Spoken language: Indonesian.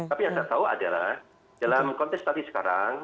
tapi yang saya tahu adalah dalam konteks tadi sekarang